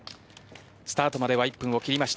スタートまでは１分を切りました。